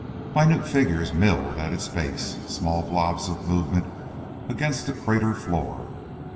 Minute figures milled at its base, small blobs of movement against the crater floor.